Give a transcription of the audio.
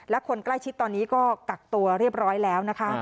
และคนใกล้ชิดตอนนี้ก็กักตัวเรียบร้อยแล้วนะคะ